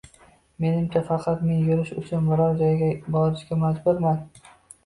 Menimcha, faqat men yurish uchun biror joyga borishga majburman